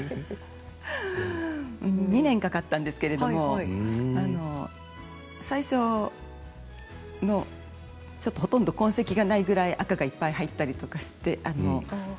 ２年かかったんですけれども最初、ちょっとほとんど痕跡がないぐらい赤がいっぱい入ったりとかして。